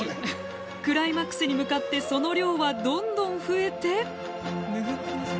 クライマックスに向かってその量はどんどん増えて。